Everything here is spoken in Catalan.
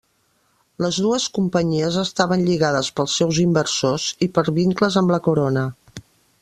Les dues companyies estaven lligades pels seus inversors i per vincles amb la corona.